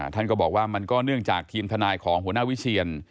ท่านก็บอกว่ามันก็เนื่องจากทีมทนายของหัวหน้าวิเชียน